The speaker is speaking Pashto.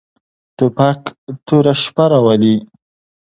توپک توره شپه راولي.